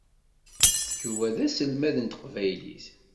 Yuba d aselmad n teqbaylit.